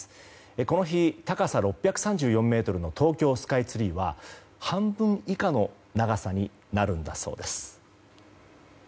この日、高さ６３４ｍの東京スカイツリーは半分以下の長さになるんだそうです。